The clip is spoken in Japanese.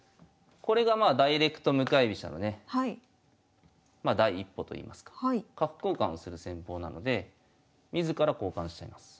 これがまあダイレクト向かい飛車のねまあ第一歩といいますか角交換をする戦法なので自ら交換しちゃいます。